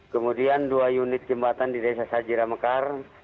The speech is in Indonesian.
kemudian dua unit jembatan di desa sajira mekar